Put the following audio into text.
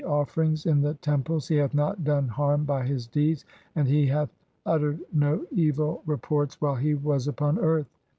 "offerings in the temples ; he hath not done harm by his deeds; "and he hath uttered no evil reports while he was upon earth."